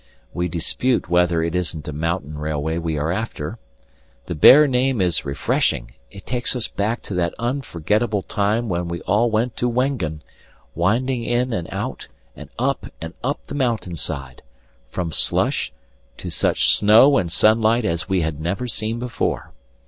We dispute whether it isn't a mountain railway we are after. The bare name is refreshing; it takes us back to that unforgettable time when we all went to Wengen, winding in and out and up and up the mountain side from slush, to such snow and sunlight as we had never seen before.